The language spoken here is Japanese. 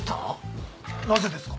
なぜですか？